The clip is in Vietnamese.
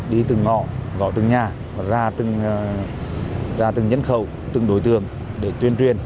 đi từng ngõ gõ từng nhà ra từng nhân khẩu từng đối tượng để tuyên truyền